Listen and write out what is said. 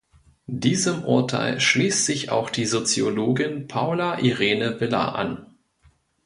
Diesem Urteil schließt sich auch die Soziologin Paula-Irene Villa an.